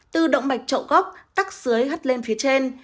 từ động mạch trậu góc tắc dưới hắt lên phía trên